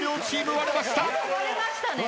割れましたね。